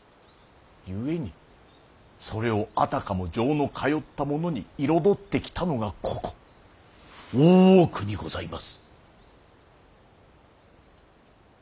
故にそれをあたかも情の通ったものに彩ってきたのがここ大奥にございます。